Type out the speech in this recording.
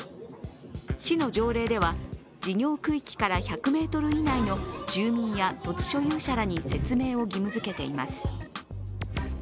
市の条例では事業区域から１００ｍ以内の住民や土地所有者らに説明を義務づけています。